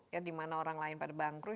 ya dimana orang lain pada bangkrut